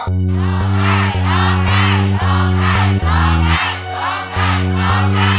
ร้องได้ร้องได้ร้องได้ร้องได้ร้องได้ร้องได้ร้องได้ร้องได้